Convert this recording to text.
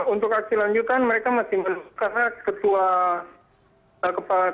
untuk aksi lanjutan mereka masih menukar ketua kepala